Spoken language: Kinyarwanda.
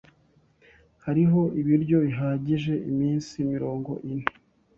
Hariho ibiryo bihagije iminsi mirongo ine.